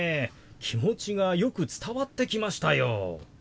気持ちがよく伝わってきましたよ。